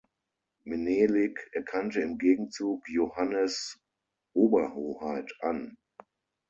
Menelik erkannte im Gegenzug Yohannes' Oberhoheit an.